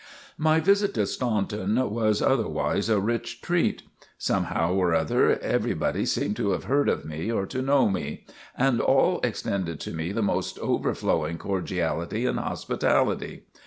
My visit to Staunton was otherwise a rich treat. Somehow or other everybody seemed to have heard of me or to know me, and all extended to me the most overflowing cordiality and hospitality.